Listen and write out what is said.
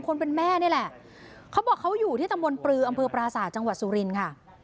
คนเป็นแม่นี่แหละเขาบอกเขาอยู่ที่ตำบลปลืออำเภอปราศาสตร์จังหวัดสุรินทร์ค่ะ